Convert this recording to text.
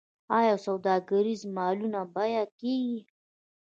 آیا سوداګریز مالونه بیمه کیږي؟